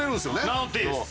名乗っていいです。